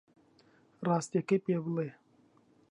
ڕاستییەکەی پێ بڵێ.